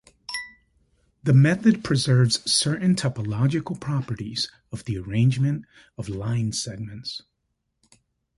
The method preserves certain topological properties of the arrangement of line segments.